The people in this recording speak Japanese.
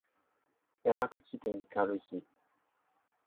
山口県光市